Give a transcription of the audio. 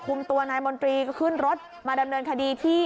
ตัวนายมนตรีก็ขึ้นรถมาดำเนินคดีที่